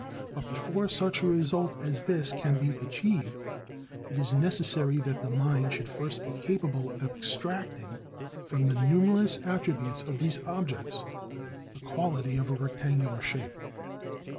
but before such a result as this can be achieved, it is necessary that the mind should first be capable of abstracting from the numerous attributes of these objects the quality of rectangular shape.